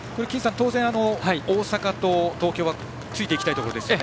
当然、大阪と東京はついていきたいですよね。